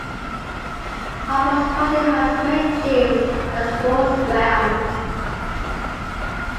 Hoppers Crossing has many gyms and sports grounds.